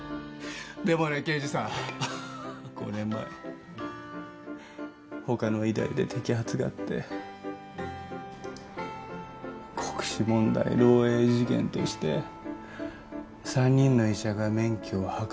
でもね刑事さん５年前他の医大で摘発があって国試問題漏洩事件として３人の医者が免許を剥奪された